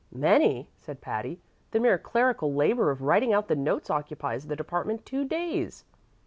"Many!" said Patty. "The mere clerical labor of writing out the notes occupies the department two days."